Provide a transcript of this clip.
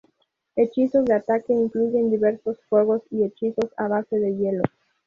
Hechizos de ataque incluyen diversos fuego y hechizos a base de hielo.